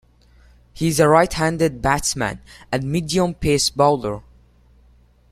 He is a right-handed batsman and medium-pace bowler.